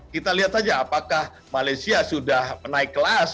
kita lihat saja apakah malaysia sudah menaik kelas